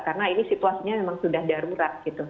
karena ini situasinya memang sudah darurat gitu